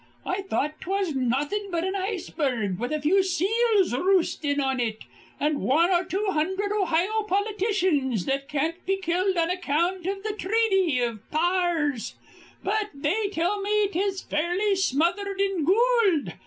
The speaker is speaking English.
I thought 'twas nawthin' but an iceberg with a few seals roostin' on it, an' wan or two hundherd Ohio politicians that can't be killed on account iv th' threaty iv Pawrs. But here they tell me 'tis fairly smothered in goold.